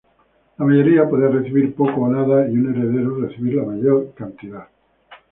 La mayoría puede recibir poco o nada y un heredero recibir la mayor cantidad.